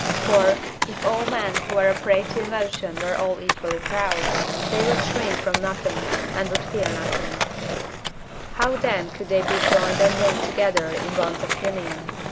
For, if all men who are a prey to emotion were all equally proud, they would shrink from nothing, and would fear nothing; how then could they be joined and linked together in bonds of union?